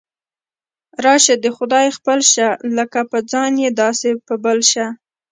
راشه د خدای خپل شه، لکه په ځان یې داسې په بل شه.